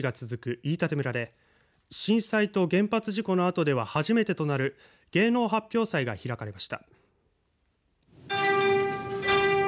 飯舘村で震災と原発事故のあとでは初めてとなる芸能発表祭が開かれました。